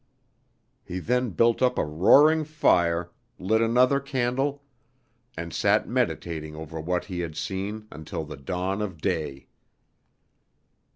He then built up a roaring fire, lit another candle, and sat meditating over what he had seen until the dawn of day.